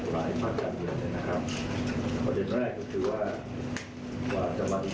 เป็นเรื่องที่สมควรเวียนทอดเราก็จะทำหน้าทีนี้อย่างเต็มความทราบมากครับผม